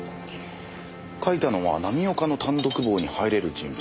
書いたのは浪岡の単独房に入れる人物。